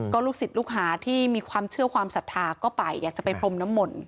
ก็ลูกศิษย์ลูกหาที่มีความเชื่อความศรัทธาก็ไปอยากจะไปพรมน้ำมนต์